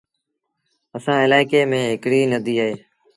اسآݩ الآڪي ميݩ هڪڙيٚ نديٚ اهي۔